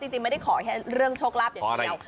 จริงไม่ได้ขอแค่เรื่องโชครัพท์แห่งจริง